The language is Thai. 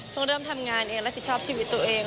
ต้องเริ่มทำงานเองรับผิดชอบชีวิตตัวเอง